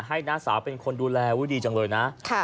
ให้นะสาวเป็นคนดูแลวิวดีจังเลยนะค่ะ